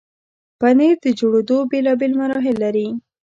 پنېر د جوړېدو بیلابیل مراحل لري.